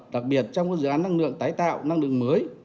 đặc biệt trong các dự án năng lượng tái tạo năng lượng mới